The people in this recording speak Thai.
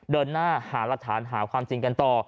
เดินหน้าหารักฐานหาความจริงกันต่อ